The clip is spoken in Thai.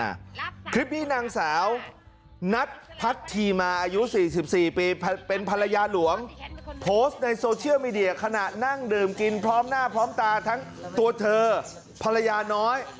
แต่ผมยังไม่ได้พิสูจน์เลยนะว่าเหมือนเมียจริงหรือเปล่าต้องพิสูจน์